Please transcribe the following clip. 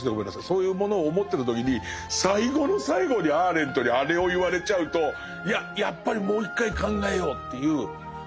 そういうものを思ってた時に最後の最後にアーレントにあれを言われちゃうといややっぱりもう一回考えようっていう。